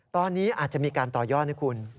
ตอนนี้อาจจะมีการต่อยอดนะคุณ